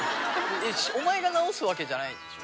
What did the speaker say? お前が治すわけじゃないんでしょ。